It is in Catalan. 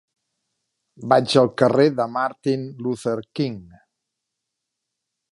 Vaig al carrer de Martin Luther King.